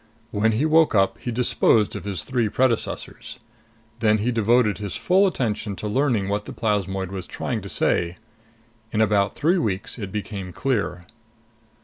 When he woke up, he disposed of his three predecessors. Then he devoted his full attention to learning what the plasmoid was trying to say. In about three weeks it became clear....